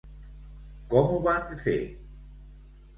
Com ho van fer?